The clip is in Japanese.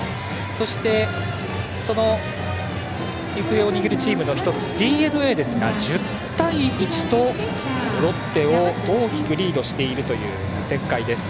そしてその行方を握るチームの１つＤｅＮＡですが、１０対１とロッテを大きくリードする展開。